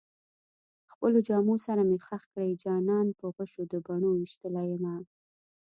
خپلو جامو سره مې خښ کړئ جانان په غشو د بڼو ويشتلی يمه